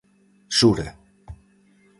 Sura.